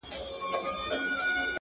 بلا وهلی يم؛ چي تا کوم بلا کومه؛